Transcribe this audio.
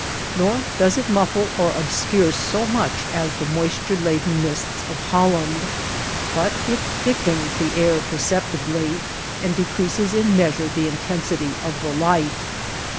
Nor does it muffle or ob scure so much as the moisture laden mists of Holland, but it thickens the air perceptibly and decreases in measure the intensity of the light.